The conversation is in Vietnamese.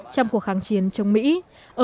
trong cuộc kháng chiến chống lược